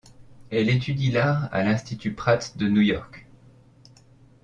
Elle étudie l'art à l'Institut Pratt de New York.